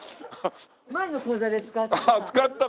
前の講座で使った。